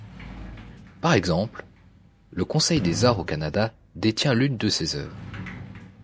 Par exemple, le Conseil des arts du Canada détient l'une de ses œuvres.